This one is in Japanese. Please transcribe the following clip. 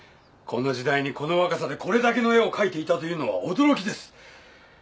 この時代にこの若さでこれだけの絵を描いていたというのは驚きです！